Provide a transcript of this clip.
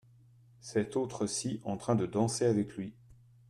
Cette autre -ci en train de danser avec lui !